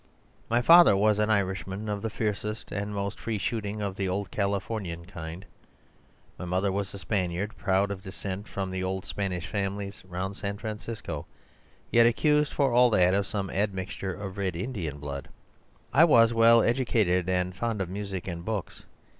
My father was an Irishman of the fiercest and most free shooting of the old Californian kind. My mother was a Spaniard, proud of descent from the old Spanish families round San Francisco, yet accused for all that of some admixture of Red Indian blood. I was well educated and fond of music and books.